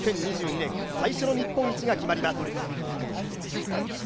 ２０２２年最初の日本一が決まります。